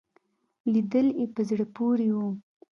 لیدلې په زړه پورې وو.